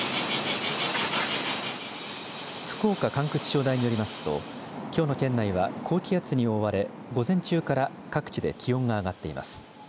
福岡管区気象台によりますときょうの県内は、高気圧に覆われ午前中から各地で気温が上がっています。